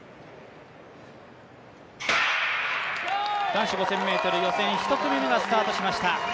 男子５０００ｍ予選１組目がスタートしていきました。